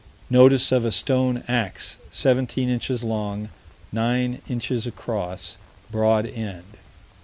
Notice of a stone ax, 17 inches long: 9 inches across broad end.